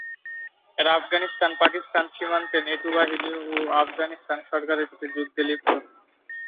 এরা আফগানিস্তান-পাকিস্তান সীমান্তে ন্যাটো বাহিনী ও আফগানিস্তান সরকারের সাথে যুদ্ধে লিপ্ত।